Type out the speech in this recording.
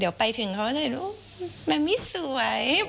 เดี๋ยวไปถึงเขาก็จะเห็นโอ้แมมมี่สวย